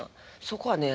そこはね